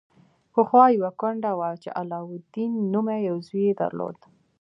پخوا یوه کونډه وه چې علاوالدین نومې یو زوی یې درلود.